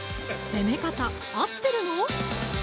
攻め方合ってるの？